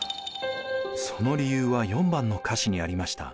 その理由は４番の歌詞にありました。